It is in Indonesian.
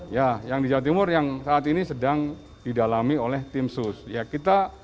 ya yang di jawa timur yang saat ini sedang didalami oleh tim sus